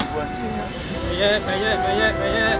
banyak banyak banyak